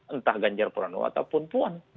entah ganjar pranowo ataupun puan